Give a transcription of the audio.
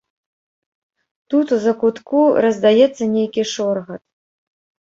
Тут у закутку раздаецца нейкі шоргат.